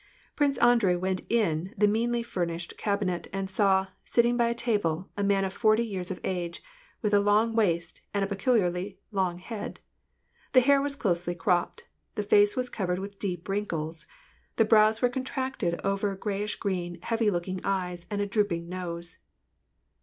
Prince Andrei went into the meanly furnished cabinet, and saw, sitting by the table, a man of forty years of age, with a long waist, and a peculiarly long head ; the hair was closely cropped ; the face was covered with deep wrinkles ; the brows were contracted over grayish green, heavy looking eyes and a drooping nose.